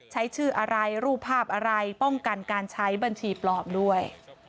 ใช้ชื่ออะไรรูปภาพอะไรป้องกันการใช้บัญชีปลอมด้วย